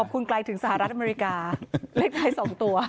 คุณไกลถึงสหรัฐอเมริกาเลขท้าย๒ตัว